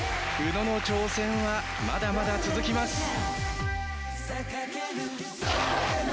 宇野の挑戦は、まだまだ続きます。